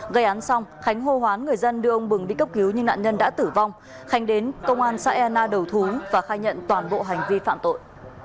gây án xong khánh hô hoán người dân đưa ông bừng đi cấp cứu nhưng nạn nhân đã tử vong khánh đến công an xã ena đầu thú và khai nhận toàn bộ hành vi phạm tội